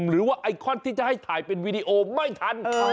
หรือว่าไอคอนที่จะให้ถ่ายเป็นวีดีโอไม่ทัน